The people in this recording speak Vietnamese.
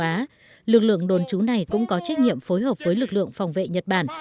á lực lượng đồn trú này cũng có trách nhiệm phối hợp với lực lượng phòng vệ nhật bản